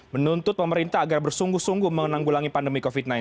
menuntut pemerintah agar bersungguh sungguh menanggulangi pandemi covid sembilan belas